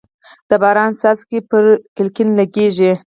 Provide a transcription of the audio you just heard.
د باران څاڅکي پر کړکۍ لګېږي.